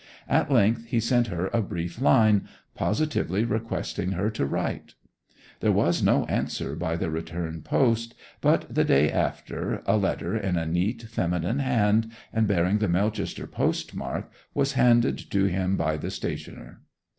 At length he sent her a brief line, positively requesting her to write. There was no answer by the return post, but the day after a letter in a neat feminine hand, and bearing the Melchester post mark, was handed to him by the stationer.